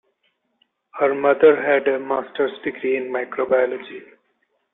Her mother had a master's degree in microbiology.